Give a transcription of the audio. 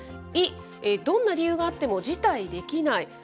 イ、どんな理由があっても辞退できない。